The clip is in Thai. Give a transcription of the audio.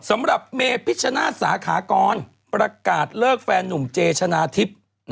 สำหรับเมพิชชนาศสาขากรประกาศเลิกแฟนหนุ่มเจชนะทิพย์